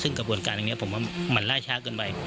ซึ่งกระบวนการอย่างนี้ผมว่ามันล่าช้าเกินไป